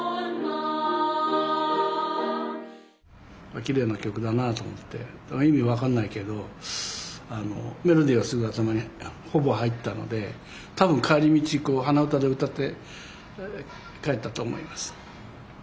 きれいな曲だなと思って意味分かんないけどメロディーはすぐ頭にほぼ入ったので多分帰り道鼻歌で歌って帰ったと思います。